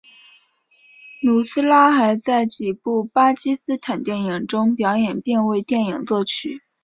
努斯拉还在几部巴基斯坦电影中表演并为电影作曲。